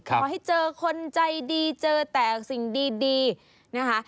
ขอให้เจอคนใจดีเจอแต่สิ่งดีนะคะ